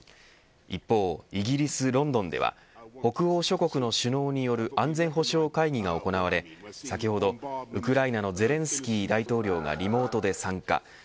一方、イギリス、ロンドンでは北欧諸国の首脳による安全保障会議が行われ先ほど、ウクライナのゼレンスキー大統領がリモートで参加。